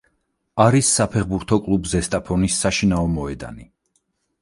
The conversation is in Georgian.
არის საფეხბურთო კლუბ „ზესტაფონის“ საშინაო მოედანი.